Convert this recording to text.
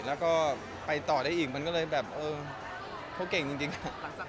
แล้วก็ไปต่อได้อีกมันก็เลยแบบเออเขาเก่งจริงอะ